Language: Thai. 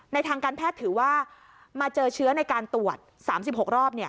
ทางการแพทย์ถือว่ามาเจอเชื้อในการตรวจ๓๖รอบ